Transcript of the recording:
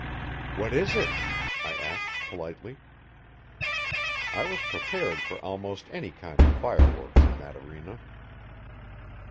"What is it?" I asked politely. I was prepared for almost any kind of fire works in that arena.